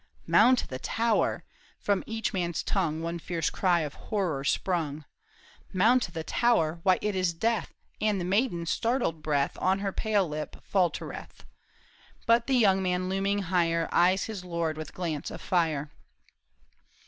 Mount the tower ! from each man's tongue One fierce cry of horror sprung. Mount the tower, why it is death And the maiden's startled breath On her pale lip faltereth. But the young man looming higher Eyes his lord with glance of fire.